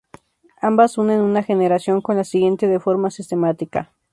Ambas unen a una generación con la siguiente de forma sistemática.